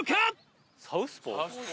サウスポー？